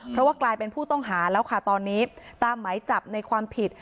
เพราะว่ากลายเป็นผู้ต้องหาแล้วค่ะตอนนี้ตามไหมจับในความผิด